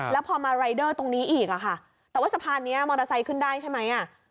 แล้วพอมารายเดอร์ตรงนี้อีกอะค่ะแต่ว่าสะพานนี้มอเตอร์ไซค์ขึ้นได้ใช่ไหม